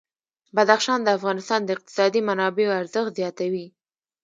بدخشان د افغانستان د اقتصادي منابعو ارزښت زیاتوي.